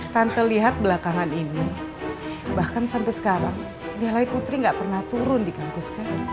tante lihat belakangan ini bahkan sampai sekarang nilai putri gak pernah turun di kampus